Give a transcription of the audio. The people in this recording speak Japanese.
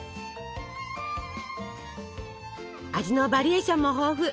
味のバリエーションも豊富。